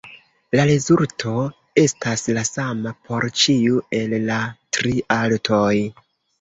La rezulto estas la sama por ĉiu el la tri altoj.